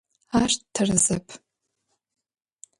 Ар тэрэзэп.